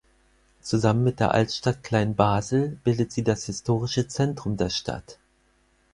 Zusammen mit der Altstadt Kleinbasel bildet sie das historische Zentrum der Stadt.